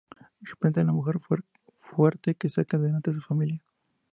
Representa a la mujer fuerte que saca adelante a su familia.